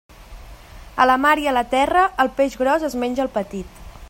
A la mar i a la terra, el peix gros es menja el petit.